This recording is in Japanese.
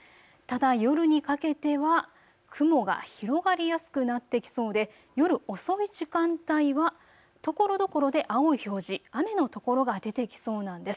ただ夜にかけては雲が広がりやすくなってきそうで夜遅い時間帯はところどころで青い表示、雨の所が出てきそうなんです。